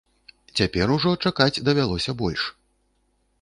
Цяпер ужо чакаць давялося больш.